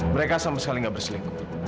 mereka sama sekali nggak berselingkuh